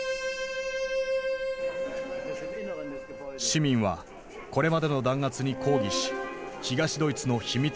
市民はこれまでの弾圧に抗議し東ドイツの秘密